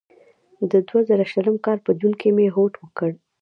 د دوه زره شلم کال په جون کې مې هوډ وکړ.